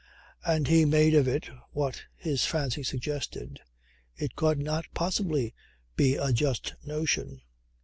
And he made of it what his fancy suggested. It could not possibly be a just notion.